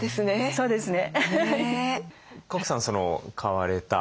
そうですね。